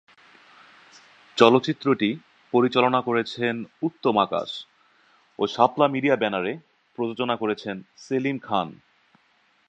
চলচ্চিত্রটি পরিচালনা করেছেন উত্তম আকাশ ও শাপলা মিডিয়া ব্যানারে প্রযোজনা করেছেন সেলিম খান।